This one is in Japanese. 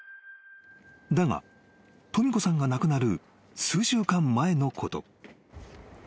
［だがとみ子さんが亡くなる数週間前のこと］